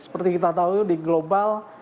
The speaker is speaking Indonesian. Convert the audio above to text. seperti kita tahu di global